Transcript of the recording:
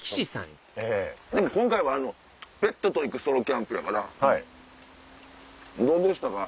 でも今回はペットと行くソロキャンプやからどうでしたか？